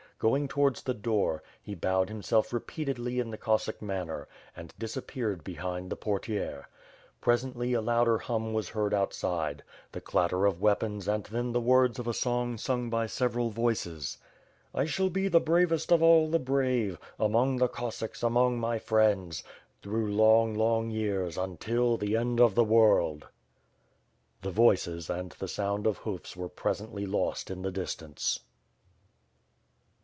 Going towards the door, he bowed himself repeat edly in the Cossack manner, and disappeared behind the por tiere. Presently, a louder hum was heard outside. The clat ter of weapons and then the words of a song sung by several voices. '' I shall be the bravest of aU the brave, Among the Cossacks, among my friends, Through long, long yean until the end of the world." The voices and the sound of hoofs were presently lost in the distance.